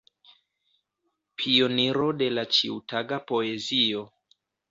Pioniro de la ĉiutaga poezio.